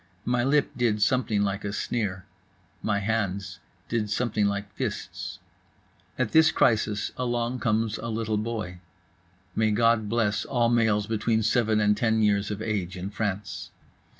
My lip did something like a sneer. My hands did something like fists. At this crisis along comes a little boy. May God bless all males between seven and ten years of age in France!